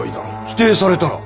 否定されたら？